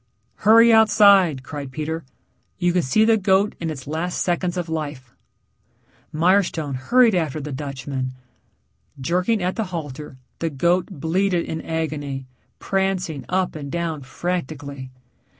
"Hurry outside," cried Peter. "You can see the goat in its last seconds of life." Mirestone hurried after the Dutchman. Jerking at the halter the goat bleated in agony, prancing up and down frantically.